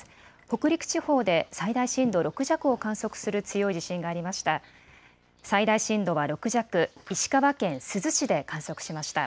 北陸地方で最大震度６弱を観測する強い地震がありました。